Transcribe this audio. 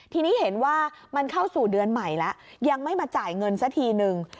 ทีนี้เห็นว่ามันเข้าสู่เดือนใหม่แล้วยังไม่มาจ่ายเงินสักทีนึง